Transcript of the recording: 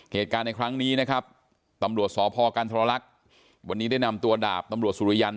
เหตุการณ์ในครั้งนี้ตำรวจสพกันทรลักษณ์